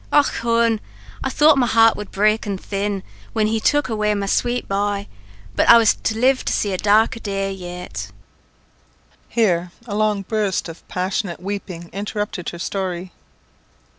Och hone! I thought my heart would broken thin, whin he took away my swate bhoy; but I was to live to see a darker day yet." Here a long burst of passionate weeping interrupted her story.